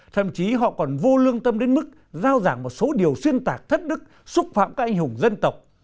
thậm chí họ còn vô lương tâm đến mức giao giảng một số điều xuyên tạc thất đức xúc phạm các anh hùng dân tộc